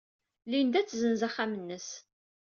Linda ad tessenz axxam-nnes.